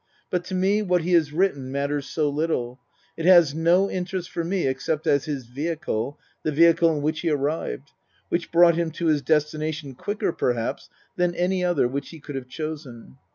But to me what he has written matters so little ; it has no interest for me except as his vehicle, the vehicle in which he arrived ; which brought him to his destination quicker perhaps than any other which he could have chosen.